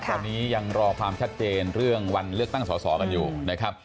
ตอนนี้ยังรอความชัดเจนเรื่องวันเลือกตั้งสอสอกันอยู่นะครับ